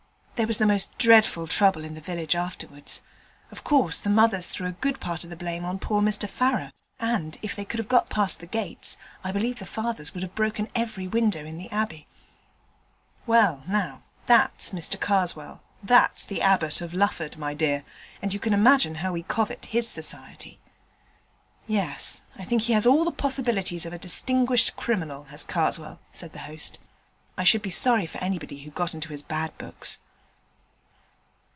There was the most dreadful trouble in the village afterwards. Of course the mothers threw a good part of the blame on poor Mr Farrer, and, if they could have got past the gates, I believe the fathers would have broken every window in the Abbey. Well, now, that's Mr Karswell: that's the Abbot of Lufford, my dear, and you can imagine how we covet his society.' 'Yes, I think he has all the possibilities of a distinguished criminal, has Karswell,' said the host. 'I should be sorry for anyone who got into his bad books.'